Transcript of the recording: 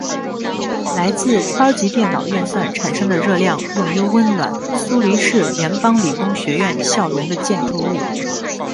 来自超级电脑运算产生的热量用于温暖苏黎世联邦理工学院校园的建筑物。